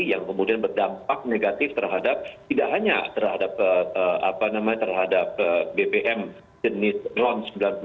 yang kemudian berdampak negatif terhadap tidak hanya terhadap bpm jenis ron sembilan puluh delapan